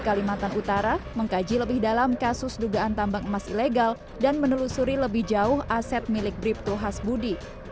pembangunan pemberantasan korupsi alimantan utara mengkaji lebih dalam kasus dugaan tambang emas ilegal dan menelusuri lebih jauh aset milik brip tu has budi